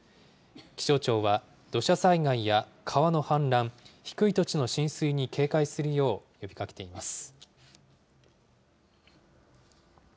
気象庁は土砂災害や川の氾濫、低い土地の浸水に警戒するよう呼びかけています。